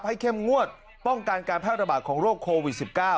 เข้มงวดป้องกันการแพร่ระบาดของโรคโควิด๑๙